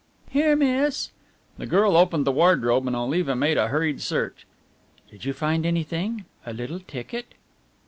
"Here, miss." The girl opened the wardrobe and Oliva made a hurried search. "Did you find anything, a little ticket?"